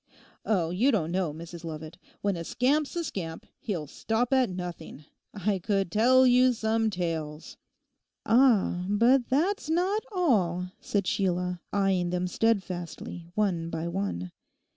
Oh, you don't know, Mrs Lovat. When a scamp's a scamp, he'll stop at nothing. I could tell you some tales.' 'Ah, but that's not all,' said Sheila, eyeing them steadfastly one by one.